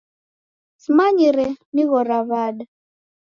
Simanyire nighore w'ada.